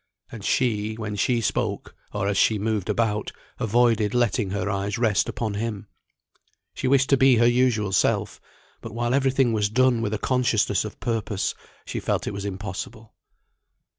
And she, when she spoke, or as she moved about, avoided letting her eyes rest upon him. She wished to be her usual self; but while every thing was done with a consciousness of purpose, she felt it was impossible.